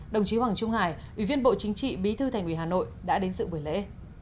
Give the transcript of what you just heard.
đồng chí hoàng trung hải ủy viên bộ chính trị bí thư thành ủy hà nội đã đến sự buổi lễ